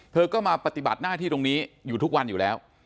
เธอก็มาปฏิบัติหน้าที่ตรงนี้อยู่ทุกวันอยู่แล้ว